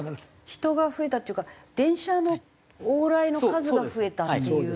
人が増えたっていうか電車の往来の数が増えたっていう。